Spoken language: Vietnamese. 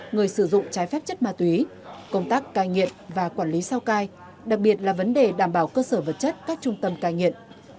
người sử dụng trái phép chất ma túy công tác cai nghiện và quản lý sao cai đặc biệt là vấn đề đảm bảo cơ sở vật chất các trung tâm cai nghiện